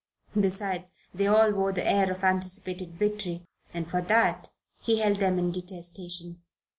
Besides, they all wore the air of anticipated victory, and for that he held them in detestation.